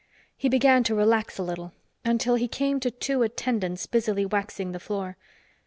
He began to relax a little until he came to two attendants busily waxing the floor.